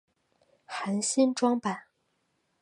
含新装版。